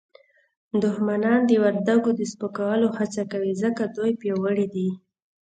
دښمنان د وردګو د سپکولو هڅه کوي ځکه دوی پیاوړي دي